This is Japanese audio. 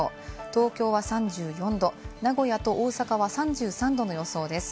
東京は３４度、名古屋と大阪は３３度の予想です。